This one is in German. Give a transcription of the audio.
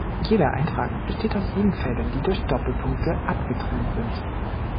Jeder Eintrag besteht aus sieben Feldern, die durch Doppelpunkte abgetrennt sind.